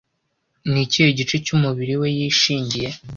Nikihe gice cyumubiri we yishingiye